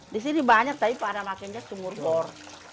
di sini banyak tapi pada makinnya sumur bor